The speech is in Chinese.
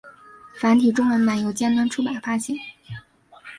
繁体中文版由尖端出版发行。